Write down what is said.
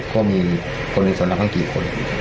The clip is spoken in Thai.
เพราะว่ามีคนอื่นสำนักกันกี่คน